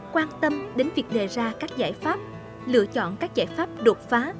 quan tâm đến việc đề ra các giải pháp lựa chọn các giải pháp đột phá